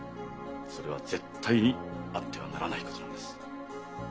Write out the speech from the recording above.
それは絶対にあってはならないことなんです。